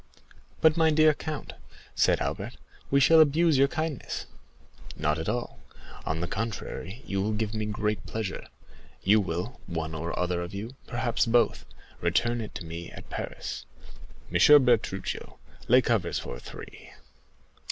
"But, my dear count," said Albert, "we shall abuse your kindness." "Not at all; on the contrary, you will give me great pleasure. You will, one or other of you, perhaps both, return it to me at Paris. M. Bertuccio, lay covers for three."